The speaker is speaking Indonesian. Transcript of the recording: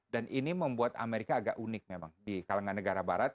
dan ini membuat amerika agak unik memang di kalangan negara barat